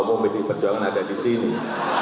untuk berkongsi tentang hal tersebut